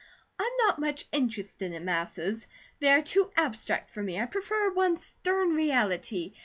I'm not much interested in masses. They are too abstract for me; I prefer one stern reality.